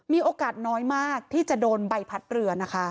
มีโอกาสน้อยมากที่จะโดนใบพัดเรือนะคะ